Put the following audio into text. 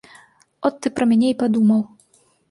От ты пра мяне і падумаў.